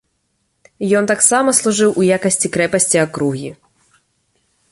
Ён таксама служыў у якасці крэпасці акругі.